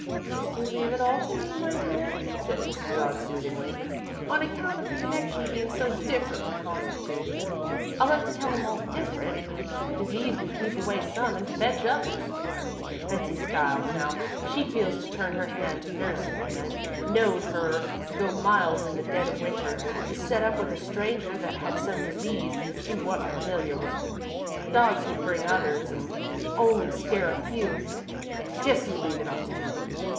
"Just you leave it all to me, my dear," said Mrs. Dodd, soothingly. "On account of the connection bein' so differently constituted, I'll have to tell 'em all different. Disease would keep away some an' fetch others. Betsey Skiles, now, she feels to turn her hand to nursin' an' I've knowed her to go miles in the dead of Winter to set up with a stranger that had some disease she wa'n't familiar with. Dogs would bring others an' only scare a few. Just you leave it all to me.